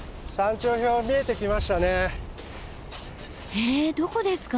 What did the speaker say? えっどこですか？